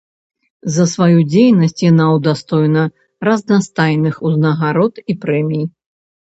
За сваю дзейнасць яна ўдастоена разнастайных узнагарод і прэмій.